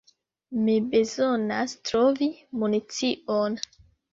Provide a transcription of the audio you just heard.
Mi bezonas trovi municion.